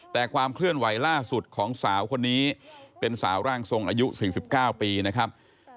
แต่ความเคลื่อนไหวล่าสุดของสาวคนนี้เป็นสาวร่างทรงอายุ๔๙ปีนะครับ